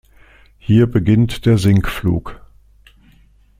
Hier beginnt der Sinkflug.